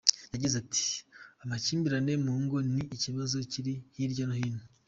Yagize ati “Amakimbirane mu ngo ni ikibazo kiri hirya no hino.